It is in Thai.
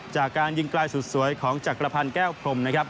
จากการยิงกล้ายสุดสวยของจักรพรรณแก้วพรม